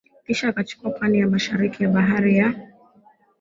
kisha akachukua pwani ya mashariki ya Bahari ya